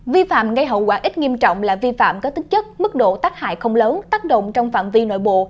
vi phạm gây hậu quả ít nghiêm trọng là vi phạm có tính chất mức độ tắc hại không lớn tác động trong phạm vi nội bộ